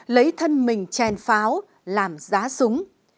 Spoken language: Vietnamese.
lấy thân mình chèn pháo làm giá súng